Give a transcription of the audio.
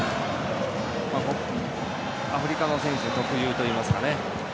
アフリカの選手特有といいますか。